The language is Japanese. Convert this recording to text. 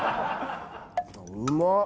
うまっ！